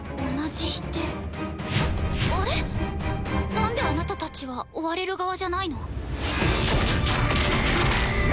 なんであなたたちは追われる側じゃないの？